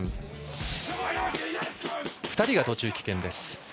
２人が途中棄権。